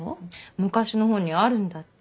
昔の本にあるんだって。